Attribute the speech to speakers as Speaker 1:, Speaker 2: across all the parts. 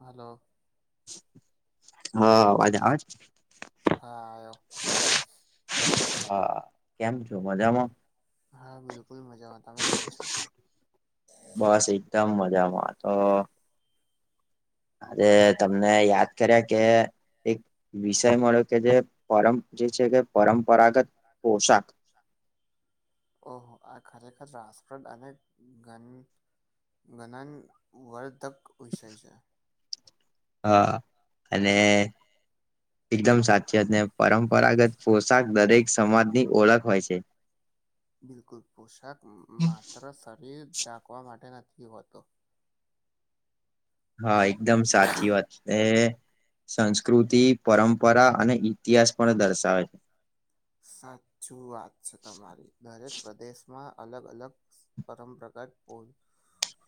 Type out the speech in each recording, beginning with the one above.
Speaker 1: Hello.
Speaker 2: હા અવાજ આવે છે.
Speaker 1: હા આયો
Speaker 2: હા કેમ છો મજામાં.
Speaker 1: હા બિલકુલ મજામાં તમે કેમ છો.
Speaker 2: બસ એકદમ મજામાંતો. અરે તમને યાદ કર્યા કે એક. વિષય મળ્યો કે જે પર જે છે કે પરંપરાગત પોશાક [unintelligible]
Speaker 1: ઓહો આ ખરેખર રાસપ્રદ અને ગન મનન વર્ધક વિષય છે.
Speaker 2: અ અને. એકદમ સાચી વાત ને પરંપરાગત પોશાક દરેક સમાજની ઓળખ હોય છે.
Speaker 1: બિલકુલ પોશાક મ માત્ર શરીર ઢાંકવા માટે નથી હોતો.
Speaker 2: હા એકદમ સાચી વાત એ સંસ્કૃતિ પરંપરા. અને ઇતિહાસ પણ દર્શાવે છે.
Speaker 1: સાચું વાત છે તમારી દરેક પ્રદેશમાં અલગ અલગ. પરંપરાગ ઓ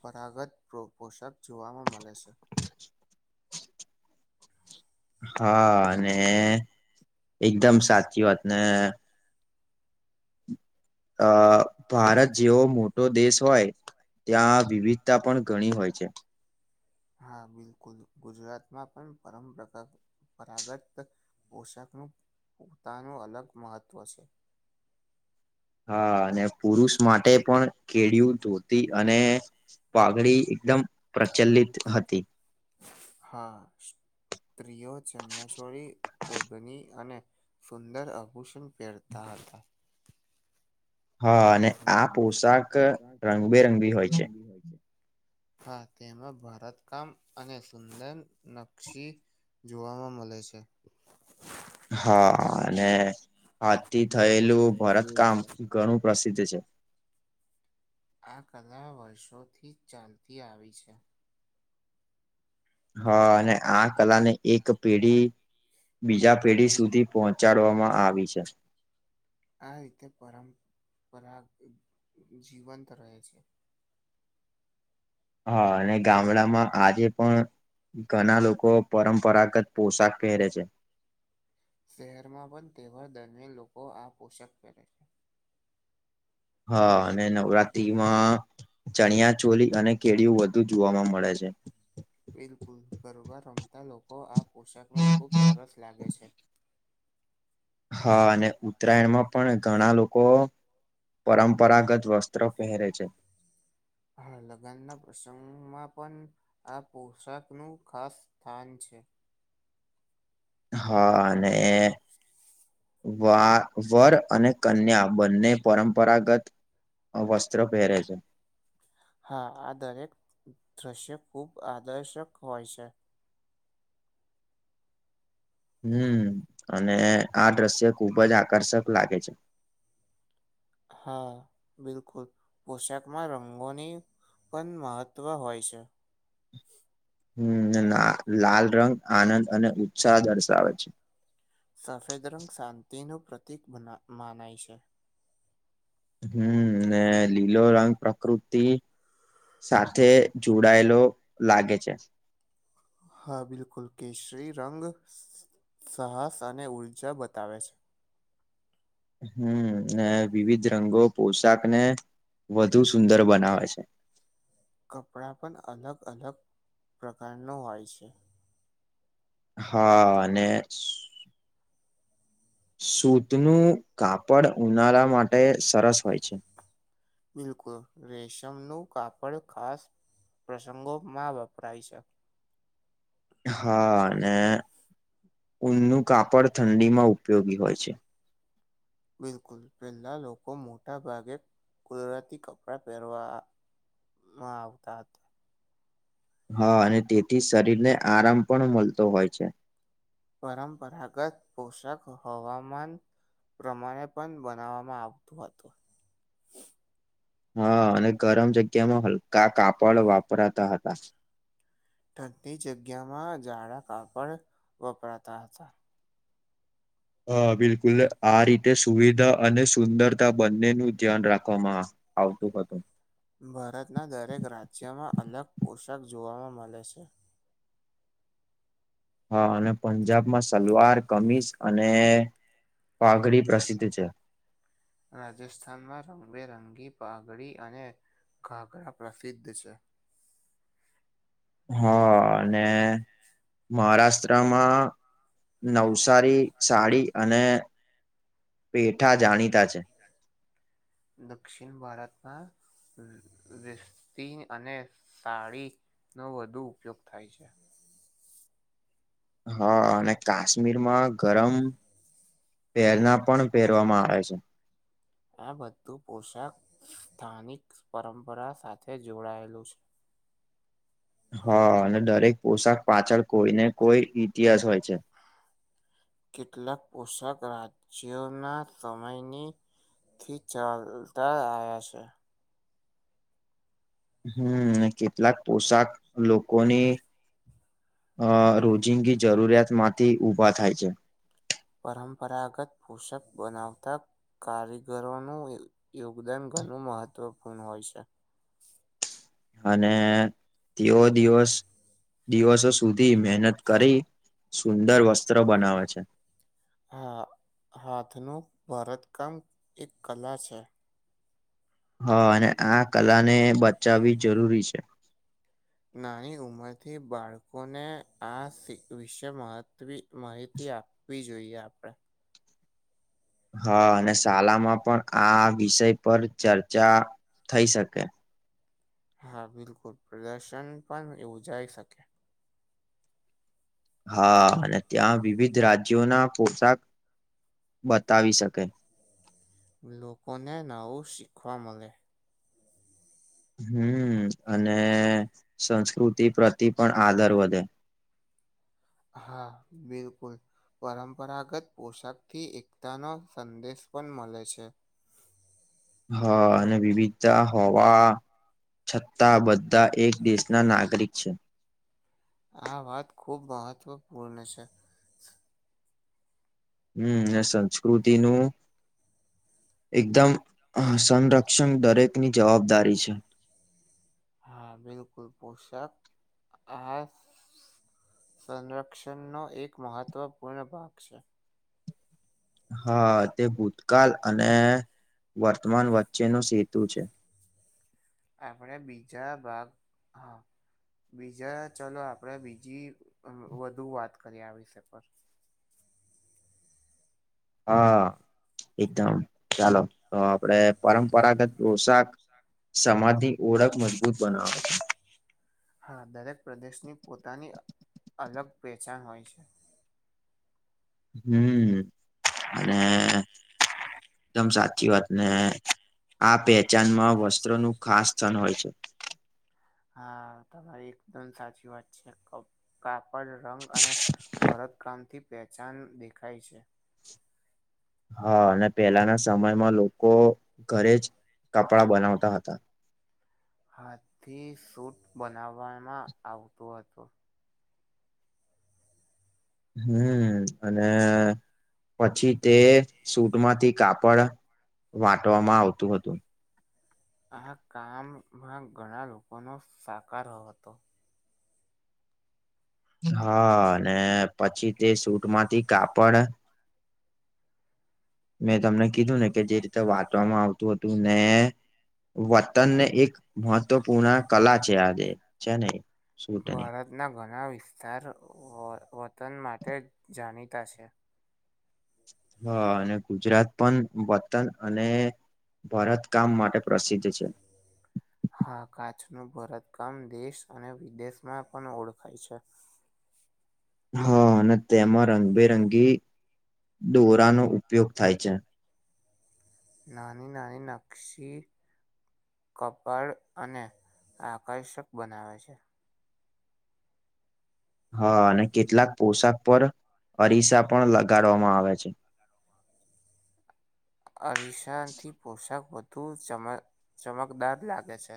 Speaker 1: પરાગત પો પોષક જોવાવામાં મળે છે.
Speaker 2: હા અને એકદમ સાચી વાત ને. અ ભારત જેવો મોટો દેશ હોય. ત્યાં વિવિધતા પણ ઘણી હોય છે.
Speaker 1: હા બિલકુલ ગુજરાતમાં પણ પરમપકાર પરાગત પોશાકનું પોતાનું અલગ મહત્ત્વ છે.
Speaker 2: હા અને પુરુષ માટે પણ કેડિયું ધોતી અને પાઘડી એકદમ પ્રચલિત હતી.
Speaker 1: હા સ્ત્રીઓ ચન્યાચોળ ઓભની અને સુંદર અભૂષણ પહેરતા હતા
Speaker 2: હા અને
Speaker 1: હા
Speaker 2: આ
Speaker 1: અને આ
Speaker 2: પોશાક
Speaker 1: પોશાક
Speaker 2: રંગબેરંગી હોય છે
Speaker 1: રંગબેરંગી હોય છે. હા તેમાં ભરતકામ અને સુંદર નક્ષી જોવામાં મળે છે.
Speaker 2: હા અને હાથ થી થયેલું ભરતકામ ઘણું પ્રસિદ્ધ છે.
Speaker 1: આ કલા વર્ષોથી જ ચાલતી આવી છે.
Speaker 2: હા અને આ કલા ને એક પેઢી બીજા પેઢી સુધી પહોંચાડવામાં આવી છે.
Speaker 1: આ રીતે પરંપરા જીવંત રહે છે.
Speaker 2: હા અને ગામડામાં આજે પણ ઘણા લોકો પરંપરાગત પોશાક પહેરે છે.
Speaker 1: શહેરમાં પણ તહેવાર દરમિયાન લોકો આ પોષક પહેરે છે.
Speaker 2: હા અને નવરાતી માં. ચણિયા ચોલી અને કેળિય વધુ જોવાવામાં મળે છે.
Speaker 1: બિલકુલ ગરબા રમતા લોકો આ પોશાકમાં ખૂબ સરસ લાગે છે.
Speaker 2: હા અને ઉત્તરાયણમાં પણ ઘણા લોકો પરંપરાગત વસ્ત્ર પહેરે છે.
Speaker 1: હા લગ્ન ના પ્રસંગમાં પણ આ પોશાક નું ખાસ સ્થાન છે.
Speaker 2: હા અને. વા વર અને કન્યા બંને પરંપરાગત આ વસ્ત્ર પહેરે છે.
Speaker 1: હા આ દરેક દ્રશ્ય ખુબ આદર્શક હોય છે.
Speaker 2: હમ અને આ દ્રશ્ય ખુબ જ આકર્ષક લાગે છે.
Speaker 1: હા બિલકુલ પોશાકમાં રંગોની પણ મહત્વ હોય છે.
Speaker 2: હમ આ લાલ રંગ આનંદ અને ઉત્સાહ દર્શાવે છે.
Speaker 1: સફેદ રંગ શાંતિનું પ્રતિક મના માનાય છે.
Speaker 2: હમ ને લીલો રંગ પ્રકૃતિ તિ સાથે જોડાયેલો લાગે છે.
Speaker 1: હા બિલકુલ કેશરી રંગ સાહસ અને ઉર્જા બતાવે છે.
Speaker 2: હમ ને વિવિધ રંગો પોશાક ને વધુ સુંદર બનાવે છે.
Speaker 1: કપડા પણ અલગ અલગ પ્રકાર નુ હોય છે.
Speaker 2: હા અને. સુતનું કાપડ ઉનાળા માટે સરસ હોય છે.
Speaker 1: બિલકુલ રેશમનું કાપડ ખાસ પ્રસંગોમાં વપરાય છે.
Speaker 2: હા અને ઊનનું કાપડ ઠંડીમાં ઉપયોગી હોય છે.
Speaker 1: બિલકુલ પહેલા લોકો મોટા ભાગે કુદરતી કપડાં પહેરવા માવકાત
Speaker 2: હા અને તેથી શરીર ને આરામ પણ મળતો હોય છે.
Speaker 1: પરંપરાગત પોષક હવામાન પ્રમાણે પણ બનાવવામાં આવતું હતું.
Speaker 2: હા અને ગરમ જગ્યા માં હલકા કાપડ વાપરાતા હતા.
Speaker 1: ઠંડી જગ્યામાં ઝાડા કાપડ વપરાતા હતા.
Speaker 2: હા, બિલકુલ આ રીતે સુવિધા અને સુંદરતા બંને નું ધ્યાન રાખવામાં આવતું હતું.
Speaker 1: ભારતના દરેક રાજ્યમાં અલગ પોશાક જોવામાં મળે છે.
Speaker 2: હા અને પંજાબમાં સલવાર કમીસ અને પાઘડી પ્રસિદ્ધ છે.
Speaker 1: રાજસ્થાનમાં રંગબેરંગી પાઘડી અને ઘાઘરા પ્રસિદ્ધ છે.
Speaker 2: હા અને મહારાષ્ટ્રમાં નવસારી સાડી અને પેઠા જાણી
Speaker 1: દક્ષિણ ભારતના [unintelligible] અને સાડી નો વધુ ઉપયોગ થાય છે.
Speaker 2: હા અને કાશ્મીરમાં ગરમ પહેરના પણ પહેરવામાં આવે છે.
Speaker 1: આ બધું પોશાક સ્થાનિક પરંપરા સાથે જોડાયેલું છે.
Speaker 2: હા અને દરેક પોશાક પાછળ કોઈને કોઈ ઇતિહાસ હોય છે.
Speaker 1: કેટલાક પોશાક રાજ્યોના સમયની થી ચાલતા આવ્યા છે.
Speaker 2: હમ કેટલાક પોશાક લોકોની અ રોજિંગી જરૂરિયાત માંથી ઉભા થાય છે.
Speaker 1: પરંપરાગત પોશાક બનાવતા કારીગરોનું યોગદાન ઘણું મહત્વપૂર્ણ હોય છે.
Speaker 2: અને તેવો દિવસ દિવસો સુધી મહેનત કરી સુંદર વસ્ત્ર બનાવે છે.
Speaker 1: હા હાથનું ભરતકામ એક કલા છે.
Speaker 2: હા અને આ કલા ને બચાવવી જરૂરી છે.
Speaker 1: નાની ઉંમરથી બાળકોને આ વિશે માહિતી આપી જોઈએ આપણેે
Speaker 2: હા અને શાલામાં પણ આ વિષય પર ચર્ચા થઈ શકે.
Speaker 1: હા બિલકુલ પ્રદર્શન પણ યોજાય શકે.
Speaker 2: હા અને ત્યાં વિવિધ રાજ્યો ના પોશાક બતાવી શકે.
Speaker 1: લોકોને નવું શીખવા મલે.
Speaker 2: હમ અને સંસ્કૃતિ પ્રતિ પણ આદર વધે.
Speaker 1: હા બિલકુલ. પરંપરાગત પોશાક થી એકતા નો સંદેશ પણ મળે છે.
Speaker 2: હા અને વિવિતા હોવા છતાં બધ એક દેશના નાગરિક છે.
Speaker 1: આ વાત ખૂબ મહત્વપૂર્ણ છે.
Speaker 2: હમ એ સંસ્કૃતિનું. એકદમ સંરક્ષણ દરેક ની જવાબદારી છે.
Speaker 1: હા બિલકુલ પોશાક આ સંરક્ષણનો એક મહત્વપૂર્ણ ભાગ છે.
Speaker 2: હા, તે ભૂતકાળ અને વર્તમાન વચ્ચે નુ સેતુ છે.
Speaker 1: આપણે બીજા ભાગ, હા બીજા ચલો આપણેે બીજી વ વધુ વાત કરીએ આ વિષય પર.
Speaker 2: હા, એકદમ ચાલો તો આપડે પરંપરાગત પોશાક, સમાજની ઓળખ મજબૂત બનાવે.
Speaker 1: હા, દરેક પ્રદેશની પોતાની અ અલગ પહેચાણ હોય છે.
Speaker 2: હમ્મ, અને દમ સાચી વાત ને આ પહેચાનમાં વસ્ત્રોનું ખાસ સ્થન હોય છે.
Speaker 1: હા, તમારી એકદમ સાચી વાત છે, ખો કાપડ, રંગ અને ભરતકામથી પેચાન દેખાય છે.
Speaker 2: હા, અને પહેલાના સમયમાં લોકો, ઘરેજ કપડા બનાવતા હતા.
Speaker 1: હાથથી સુઠ બનાવવામાં આવતું હતું.
Speaker 2: હમ્મ, અને પછી તે સૂટમાંથી કાપડ વાટવામાં આવતું હતું.
Speaker 1: આહા કામમાં ઘણા લોકોનો સાકારો હતો.
Speaker 2: હા, અને પછી તે સૂટમાંથી કાપડ મેં તમને કીધું ને, કે જે રીતે વાંટવામાં આવતું હતું, ને વતનને એક મહત્વપુર્ણા કલા છે, આજે છે ને શુટની.
Speaker 1: ના ઘણા વિસ્તાર વો વતન માટે જાણીતા છે.
Speaker 2: હા, અને ગુજરાત પણ વતન અને ભરતકામ માટે પ્રસિદ્ધ છે.
Speaker 1: હા, કાચનું ભરતકામ દેશ અને વિદેશમાં પણ ઓળખાય છે.
Speaker 2: હા, અને તેમાં રંગબેરંગી દોરાનો ઉપયોગ થાય છે.
Speaker 1: નાની નાની નક્ષી કપાળ અને આકર્ષક બનાવે છે.
Speaker 2: હા, અને કેટલાક પોશાક પર અરીસા પણ લગાડવામાં આવે છે.
Speaker 1: અરીસાં થી પોશાક વધુ ચમક ચમકદાર લાગે છે.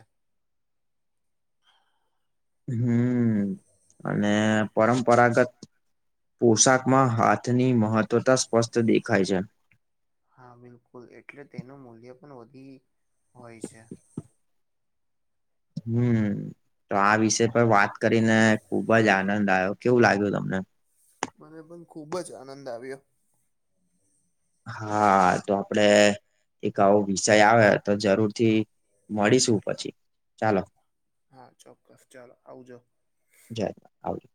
Speaker 2: હમ્મ, અને પરંપરાગત પોશાકમાં હાથની મહત્વતા સ્પષ્ટ દેખાય છે.
Speaker 1: હા, બિલકુલ એટલે તેનું મૂલ્ય પણ વધી હોય છે.
Speaker 2: હમ્મ, તો આ વિષય પર વાત કરીને ખુબજ આનંદ આયો. કેવું લાગ્યું તમને?
Speaker 1: મને પણ ખુબજ આનંદ આવ્યો.
Speaker 2: હા, તો આપડે એક આવો વિષય આવે, તો જરૂર થી મળીશું પછી, ચાલો.
Speaker 1: હા, ચોક્કસ, ચાલો આવજો.
Speaker 2: જય, આવજો.